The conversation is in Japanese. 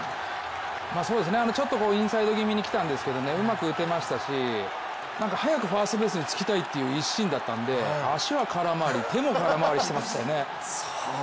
ちょっとインサイド気味にきたんですけどうまく打てましたし、早くファーストベースにつきたいという一心だったんで足は空回り、手も空回りしていましたよね。